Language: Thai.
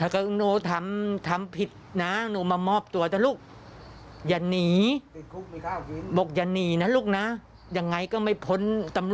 ก็ลูกฟังเสียงแม่ค่ะ